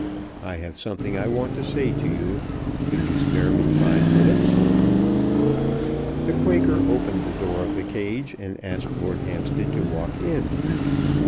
I have something I want to say to you. Could you spare me five minutes?" The Quaker opened the door of the cage and asked Lord Hampstead to walk in.